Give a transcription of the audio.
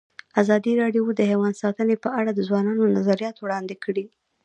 ازادي راډیو د حیوان ساتنه په اړه د ځوانانو نظریات وړاندې کړي.